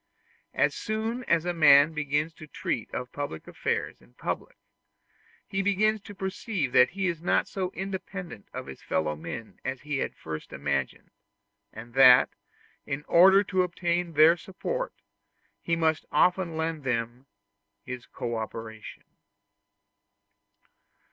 As soon as a man begins to treat of public affairs in public, he begins to perceive that he is not so independent of his fellow men as he had at first imagined, and that, in order to obtain their support, he must often lend them his co operation.